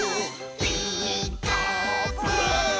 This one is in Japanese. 「ピーカーブ！」